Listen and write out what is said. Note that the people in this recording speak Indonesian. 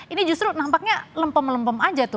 ini justru nampaknya lempem lempem aja tuh